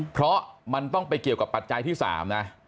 เพราะมันต้องไปเกี่ยวกับปัจจัยที่๓นะ